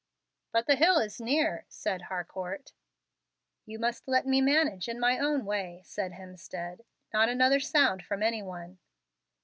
"But the hill is near," said Harcourt. "You must let me manage in my own way," said Hemstead. "Not another sound from any one."